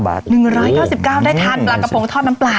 ๑๙๙บาทได้ทานปลากระโพงทอดน้ำปลาแหละ